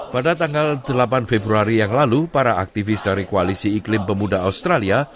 pada tanggal delapan februari yang lalu para aktivis dari koalisi iklim pemuda australia